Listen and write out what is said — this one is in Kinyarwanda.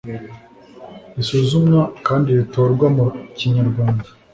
risuzumwa kandi ritorwa mu Kinyarwanda